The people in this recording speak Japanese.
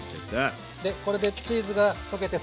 でこれでチーズが溶けてサッと。